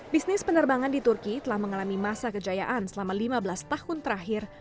bisnis penerbangan di turki telah mengalami masa kejayaan selama lima belas tahun terakhir